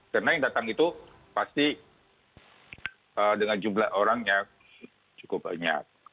karena yang datang itu pasti dengan jumlah orangnya cukup banyak